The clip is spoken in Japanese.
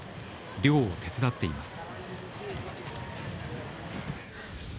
漁を手伝っています。